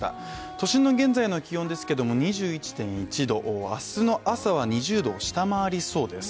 都心の現在の気温ですけれども２１．２度、明日の朝は２０度を下回りそうです。